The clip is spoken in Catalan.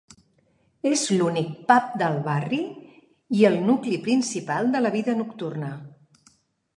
És l'únic pub del barri i el nucli principal de la vida nocturna.